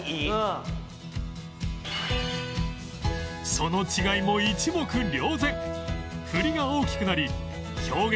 その違いも一目瞭然